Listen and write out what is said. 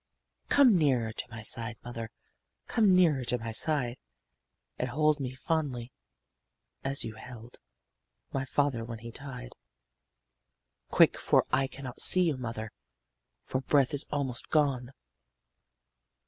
"'Come nearer to my side, mother, Come nearer to my side, And hold me fondly, as you held My father when he died. Quick, for I can not see you, mother, My breath is almost gone.